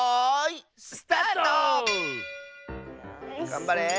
がんばれ。